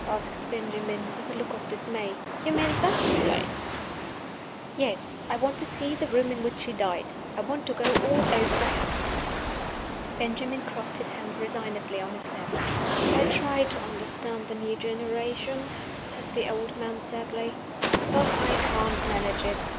asked Benjamin, with a look of dismay. "You mean that place?" "Yes. I want to see the room in which she died; I want to go all over the house." Benjamin crossed his hands resignedly on his lap. "I try to understand the new generation," said the old man, sadly; "but I can't manage it.